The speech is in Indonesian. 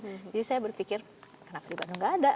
jadi saya berpikir kenapa di bandung tidak ada